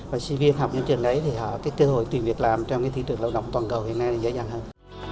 và sinh viên học những trường đấy thì họ cái cơ hội tìm việc làm trong cái thị trường lao động toàn cầu hiện nay dễ dàng hơn